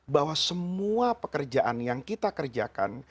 bahwa semua pekerjaan yang kita kerjakan